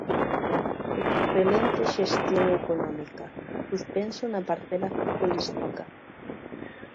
Excelente xestión económica, suspenso na parcela futbolística.